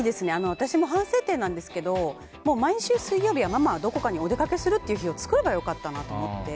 私も反省点なんですけど毎週水曜日はママはどこかにお出かけするっていう日を作ればよかったなと思って。